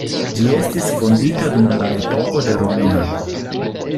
Ĝi estis fondita dum la epoko de romianoj.